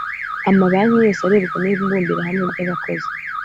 amabanki yose arebwa n ibumbirahamwe ry abakozi